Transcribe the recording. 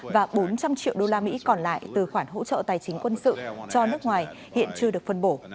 và bốn trăm linh triệu đô la mỹ còn lại từ khoản hỗ trợ tài chính quân sự cho nước ngoài hiện chưa được phân bổ